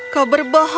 kau berbohong padaku